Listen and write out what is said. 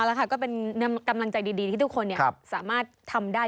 แล้วค่ะก็เป็นกำลังใจดีที่ทุกคนสามารถทำได้